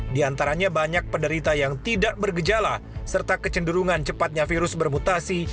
di antaranya banyak penderita yang tidak bergejala serta kecenderungan cepatnya virus bermutasi